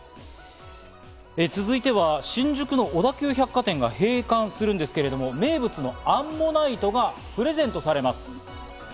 続いては新宿の小田急百貨店が閉館するんですけれども、名物のアンモナイトがプレゼントされます。